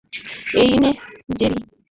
এই নে, জেরি।